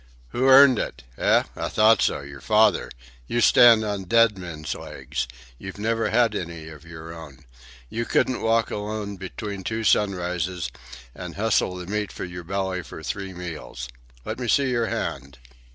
"Who earned it? Eh? I thought so. Your father. You stand on dead men's legs. You've never had any of your own. You couldn't walk alone between two sunrises and hustle the meat for your belly for three meals. Let me see your hand."